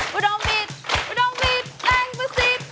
วุดองวิทย์วุดองวิทย์แรงประสิทธิ์